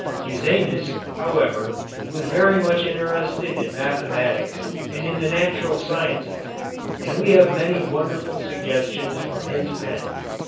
Cusanus, however, was very much interested in mathematics and in the natural sciences, and we have many wonderful suggestions from his pen.